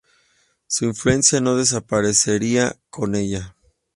Su influencia no desaparecería con ella.